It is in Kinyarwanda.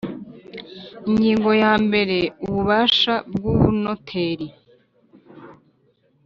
Ingingo ya mbere Ububasha bw ubunoteri